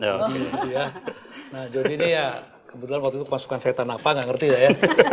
nah jodi ini ya kebetulan waktu itu masukkan setan apa gak ngerti ya